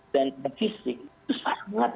dan fisik itu sangat